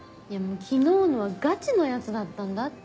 昨日のはガチのやつだったんだって。